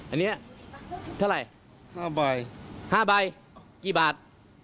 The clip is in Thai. อันนี้เท่าไหร่๕ใบ๕บาท